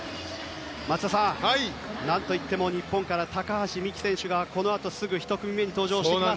松田さん、何といっても日本から高橋美紀選手がこのあとすぐ１組目に登場してきます。